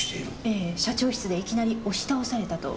ええ社長室でいきなり押し倒されたと。